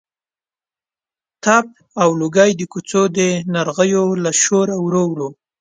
تپ او لوګی د کوڅو د نغریو له شوره ورو ورو.